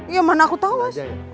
ya mana aku tau mas